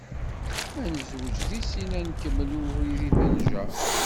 Ad nezweǧ di sin ad nkemmel i ubrid i d-nenjer.